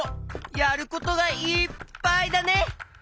やることがいっぱいだね！